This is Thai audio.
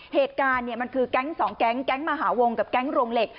เหตุการณ์มันคือแก๊ง๒แก๊งแก๊งมหาวงกับแก๊งโรงเหล็ก